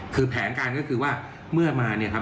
คือแผนการก็คือว่าเมื่อมาเนี่ยครับ